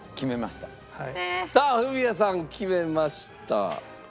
さあフミヤさん決めました。